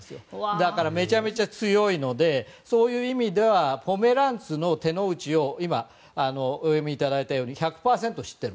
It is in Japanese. だから、めちゃくちゃ強いのでそういう意味ではポメランツの手の内を１００％知っている。